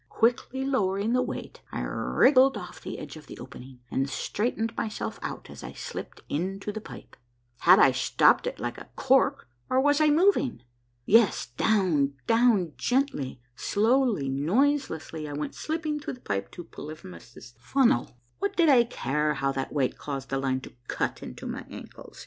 Quickly lowering the weight, I wriggled off the edge of the opening, and straightened myself out as I slipped into the pipe. Had I stopped it like a cork, or was I moving? Yes, down, down, gently, slowly, noiselessly, I went slipping through the pipe to Polyphemus' Funnel. What did I care how that weight caused the line to cut into my ankles